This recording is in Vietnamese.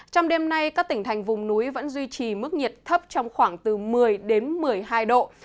trong đêm nay các tỉnh thành vùng núi vẫn duy trì mức nhiệt thấp trong khoảng từ một mươi đến một mươi hai độ